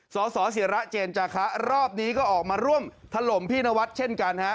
สสิระเจนจาคะรอบนี้ก็ออกมาร่วมถล่มพี่นวัดเช่นกันฮะ